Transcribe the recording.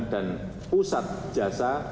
dan pusat jasa